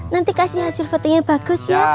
nanti kasih hasil votingnya bagus ya